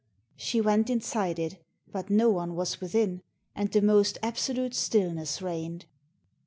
She went inside it, but no one was within, and the most absolute stillness reigned.